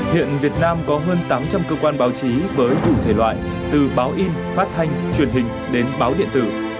hiện việt nam có hơn tám trăm linh cơ quan báo chí với đủ thể loại từ báo in phát thanh truyền hình đến báo điện tử